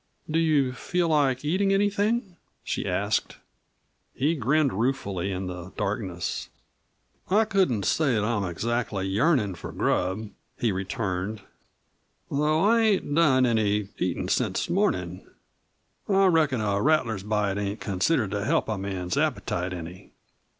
"Do you feel like eating anything?" she asked. He grinned ruefully in the darkness. "I couldn't say that I'm exactly yearnin' for grub," he returned, "though I ain't done any eatin' since mornin'. I reckon a rattler's bite ain't considered to help a man's appetite any."